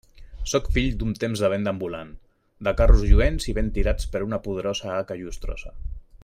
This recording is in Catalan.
Sóc fill d'un temps de venda ambulant, de carros lluents i ben tirats per una poderosa haca llustrosa.